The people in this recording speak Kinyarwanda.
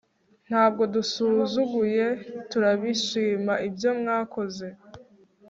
ntabwo dusuzuguye, turabishima ibyo mwakoze